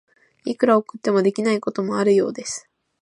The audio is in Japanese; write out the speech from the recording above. いくら送っても、できないこともあるようです。